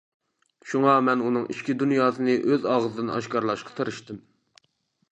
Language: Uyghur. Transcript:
شۇڭا مەن ئۇنىڭ ئىچكى دۇنياسىنى ئۆز ئاغزىدىن ئاشكارىلاشقا تىرىشتىم.